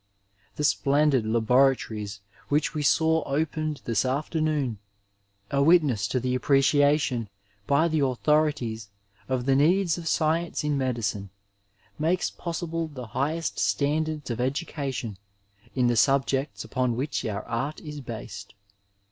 The splendid labora tories which we saw opened this afternoon, a witness to the appreciation by the authorities of the needs of science in medicine, makes possible the highest standards of educa tion in the subjects upon which our Art is based.